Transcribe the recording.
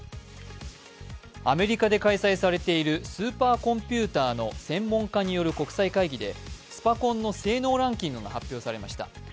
アメリカで開催されているスーパーコンピュータの専門家による国際会議でスパコンの性能ランキングが発表されました。